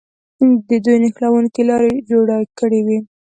دوی نښلوونکې لارې جوړې کړې وې.